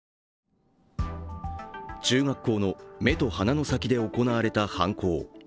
中学校の目と鼻の先で行われた犯行。